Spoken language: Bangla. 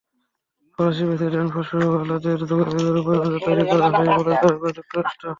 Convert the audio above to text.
ফরাসি প্রেসিডেন্ট ফ্রাসোয়া ওঁলাদের যোগাযোগের ওপর নজরদারি করা হয়নি বলে দাবি করেছে যুক্তরাষ্ট্র।